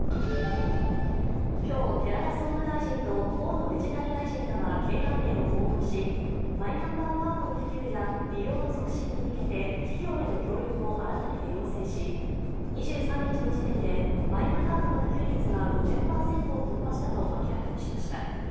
今日、寺田総務大臣と河野デジタル大臣らは経団連を訪問し、マイナンバーの普及や利用の促進に向けて企業への協力を改めて要請し２３日の時点でマイナカードの普及率が５０％を突破したと明らかにしました。